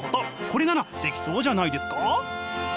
これならできそうじゃないですか？